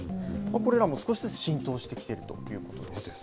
これらも少しずつ、浸透してきているということです。